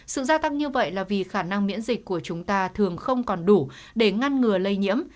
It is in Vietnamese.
sự gia tăng như vậy là vì khả năng miễn dịch của chúng ta thường không còn đủ để ngăn ngừa lây nhiễm